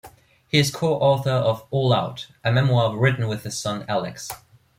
He is co-author of "All Out", a memoir written with his son Alex.